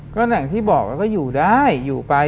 ก็อย่างที่บอกแล้วก็อยู่ได้อยู่ไป